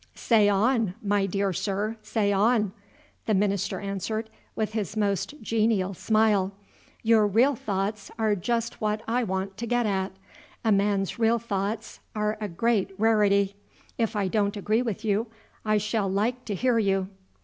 "Say on, my dear Sir, say on," the minister answered, with his most genial smile; "your real thoughts are just what I want to get at. A man's real thoughts are a great rarity. If I don't agree with you, I shall like to hear you."